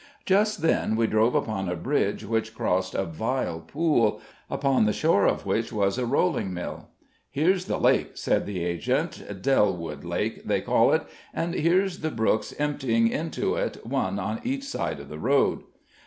Just then we drove upon a bridge, which crossed a vile pool, upon the shore of which was a rolling mill. "Here's the lake," said the agent; "Dellwild Lake, they call it. And here's the brooks emptying into it, one on each side of the road."